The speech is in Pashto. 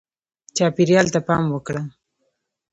چاپېریال ته پام وکړه.